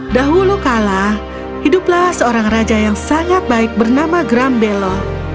dahulu kala hiduplah seorang raja yang sangat baik bernama grambelo